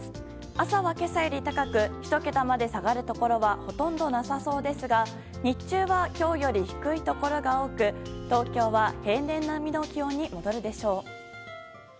朝は今朝より高く１桁まで下がるところはほとんどなさそうですが日中は今日より低いところが多く東京は平年並みの気温に戻るでしょう。